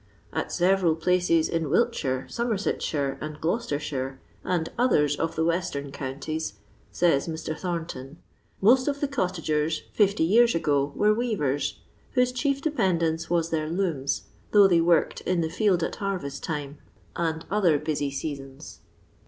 "At several places in Wiltshire, Somersetshire, and Gloucestershire, and others of the western counties," says Mr. Thornton, " most of the cottagers, fifty years ago, were weavers, whose chief dependence was their looms, though they worked in the field at harvest time and other busy seasons.